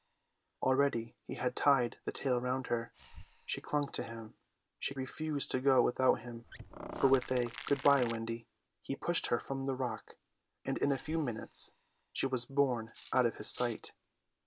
Already he had tied the tail round her. She clung to him; she refused to go without him; but with a "Good bye, Wendy," he pushed her from the rock; and in a few minutes she was borne out of his sight.